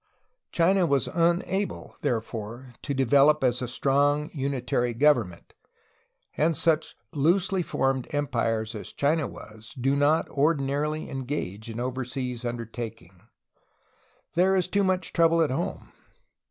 China was unable therefore to develop as a strong unitary government, and such loosely formed empires as China was do not ordinarily engage in over seas undertakings; there is too much trouble at home.